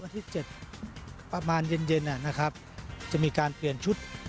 ที่๗ประมาณเย็นนะครับจะมีการเปลี่ยนชุด